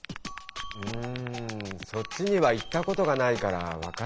うんそっちには行ったことがないから分からない。